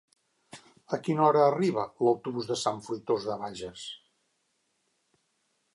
A quina hora arriba l'autobús de Sant Fruitós de Bages?